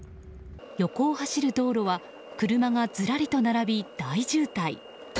横を走る道路は車がずらりと並び大渋滞。